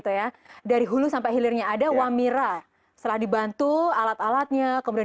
tetaplah bersama kami